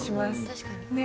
確かに。ね。